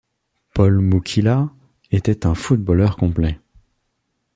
Paul Moukila était un footballeur complet.